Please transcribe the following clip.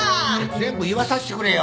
全部言わさしてくれよ。